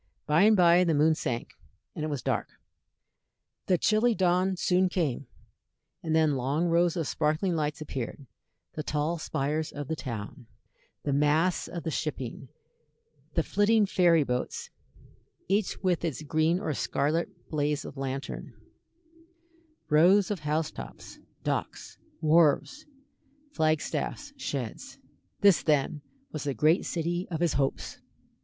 By and by the moon sank, and it was dark; the chilly dawn soon came, and then long rows of sparkling lights appeared; the tall spires of the town; the masts of the shipping; the flitting ferry boats, each with its green or scarlet blaze of lantern; rows of house tops; docks; wharves; flag staffs; sheds. This, then, was the great city of his hopes.